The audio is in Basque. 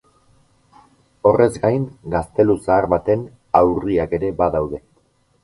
Horrez gain, gaztelu zahar baten aurriak ere badaude.